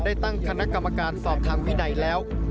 ได้ตั้งคณะกรรมการสอบทางวินัยแล้ว